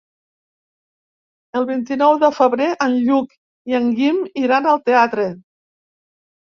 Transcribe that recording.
El vint-i-nou de febrer en Lluc i en Guim iran al teatre.